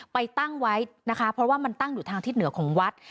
ไปตั้งไว้นะคะเพราะว่ามันตั้งอยู่ทางทิศเหนือของวัด